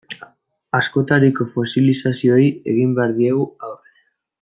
Askotariko fosilizazioei egin behar diegu aurre.